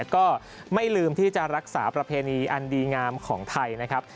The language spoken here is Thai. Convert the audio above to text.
ก็ไม่ลืมที่จะรักษาประเพณีอันดีงามของไทยนะครับ